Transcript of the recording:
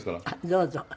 どうぞ。